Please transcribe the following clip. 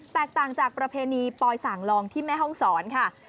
แตกต่างจากประเพณีปลอยส่างลองที่แม่ห้องศรค่ะ